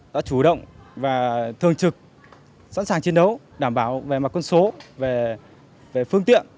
đã chủ động và thường trực sẵn sàng chiến đấu đảm bảo về mặt quân số về phương tiện